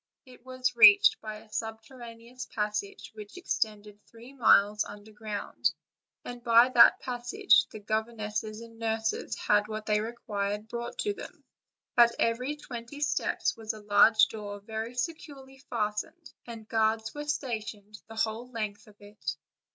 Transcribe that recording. It was reached by a sub terraneous passage which extended three miles under ground, and by that passage the governesses and nurses had what they required brought to them. At every twenty steps was a large door very securely fastened, and guards were stationed the whole length of it.